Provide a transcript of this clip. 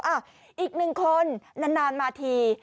อ่ะอีกหนึ่งคนนานมาที